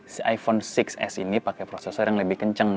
si iphone enam s ini pakai prosesor yang lebih kencang